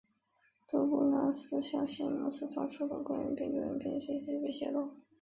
佐布拉斯特向西姆斯发送的关于病毒的影片消息被泄出。